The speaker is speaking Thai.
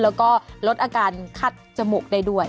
แล้วก็ลดอาการคัดจมูกได้ด้วย